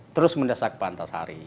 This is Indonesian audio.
terus mendesak pak antasari